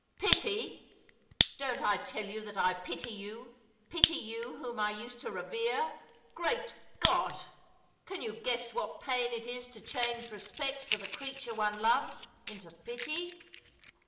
" Pity I Don't I tell you that I pity you— pity you whom I used to revere ! Great God ! can you guess what pain it is to change respect for the creature one loves into pity